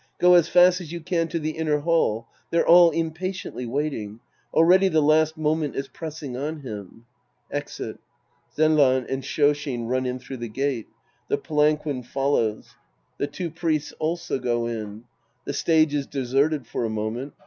Go as fast as you can to the inner hall. They're all impatiently waiting. Already the last moment is pressing on laim. {Exit.) (Zenran and Shoshin run in through the gate. The palanquin follows. The two Priests also go in. The stage is deserted for a moment.